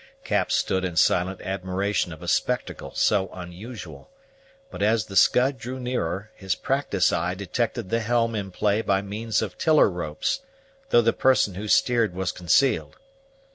Cap stood in silent admiration of a spectacle so unusual. But, as the Scud drew nearer, his practised eye detected the helm in play by means of tiller ropes, though the person who steered was concealed.